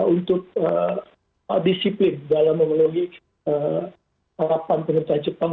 untuk disiplin dalam memenuhi harapan pemerintah jepang